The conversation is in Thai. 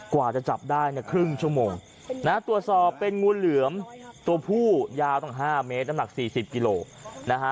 กว่าจะจับได้เนี่ยครึ่งชั่วโมงนะฮะตรวจสอบเป็นงูเหลือมตัวผู้ยาวต้อง๕เมตรน้ำหนักสี่สิบกิโลนะฮะ